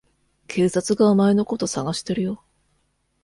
警察がお前のこと捜してるよ。